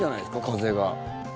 風が。